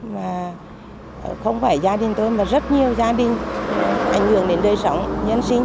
mà không phải gia đình tôi mà rất nhiều gia đình ảnh hưởng đến đời sống nhân sinh